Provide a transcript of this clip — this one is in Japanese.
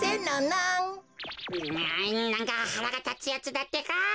えなんかはらがたつやつだってか。